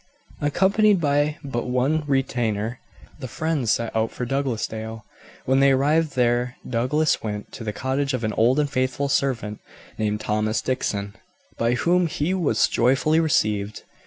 Accompanied by but one retainer, the friends set out for Douglasdale. When they arrived there Douglas went to the cottage of an old and faithful servant named Thomas Dickson, by whom he was joyfully received.